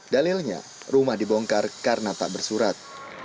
dalilnya rumah dibongkar karena tak bersurat